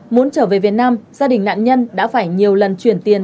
muốn trở về việt nam gia đình nạn nhân đã phải nhiều lần chuyển tiền